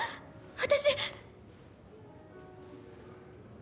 私。